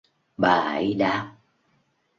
bà ấy đáp